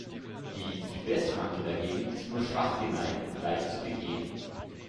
Die "Südwestflanke" dagegen ist nur schwach geneigt und leicht zu begehen.